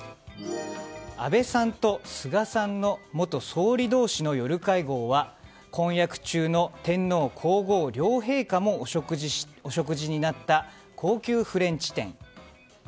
安倍さんと菅さんの元総理同士の夜会合は婚約中の天皇・皇后両陛下もお食事になった高級フレンチ店。